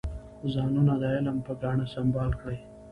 ځانونه د علم په ګاڼه سنبال کړئ.